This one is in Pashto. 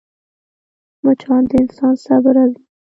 مچان د انسان صبر ازموي